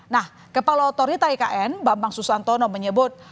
nah kepala otorita ikn bambang susantono menyebut